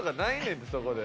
んてそこで。